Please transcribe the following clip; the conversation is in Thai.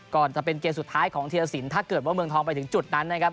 ก็จะเป็นเกมสุดท้ายของเทียร์สินถ้าเกิดว่าเมืองท้องไปถึงจุดนั้น